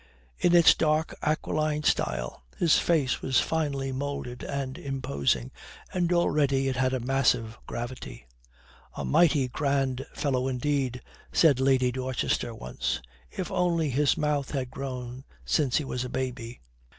In its dark aquiline style his face was finely moulded and imposing, and already it had a massive gravity. "A mighty grand fellow indeed," said Lady Dorchester once, "if only his mouth had grown since he was a baby."